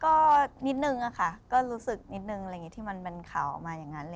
ก็นิดนึงค่ะก็รู้สึกนิดนึงที่มันเป็นข่าวออกมาอย่างนั้น